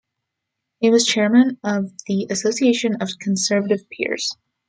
He was Chairman of the Association of Conservative Peers.